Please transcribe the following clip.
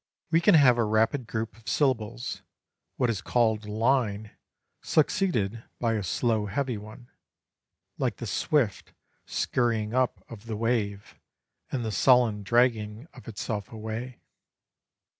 We can have a rapid group of syllables what is called a line succeeded by a slow heavy one; like the swift, scurrying up of the wave and the sullen dragging of itself away.